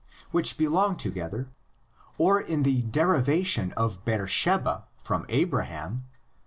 which belong together, or in the derivation of Beersheba from Abraham (xxi.